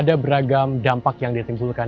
ada beragam dampak yang ditimbulkan